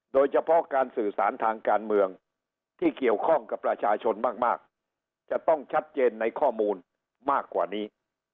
โดยเฉพาะการสื่อสารทางการเมืองที่เกี่ยวข้องกับประชาชนมากจะต้องชัดเจนในข้อมูลมากกว่านี้